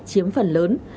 chiếm phần lớn